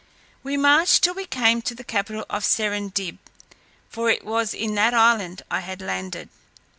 We marched till we came to the capital of Serendib, for it was in that island I had landed.